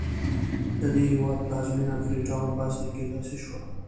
د دې هېواد پلازمېنه فري ټاون په اصل کې تاسیس شوه.